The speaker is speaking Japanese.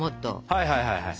はいはいはいはい。